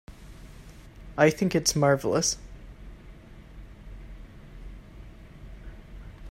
I think it's marvelous.